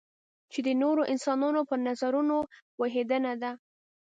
چې د نورو انسانانو پر نظرونو پوهېدنه ده.